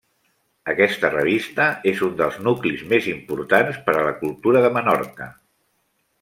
Aquesta revista és un dels nuclis més importants per a la cultura de Menorca.